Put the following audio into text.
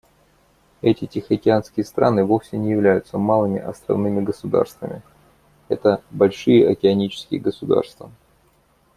Эти тихоокеанские страны вовсе не являются «малыми островными государствами»: это большие океанические государства.